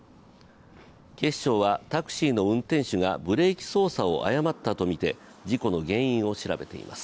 警視庁はタクシーの運転手がブレーキ操作を誤ったとみて事故の原因を調べています。